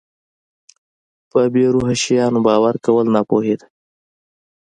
په بې روحه شیانو باور کول ناپوهي ده.